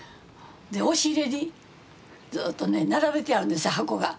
押し入れにずっとね並べてあるんです箱が。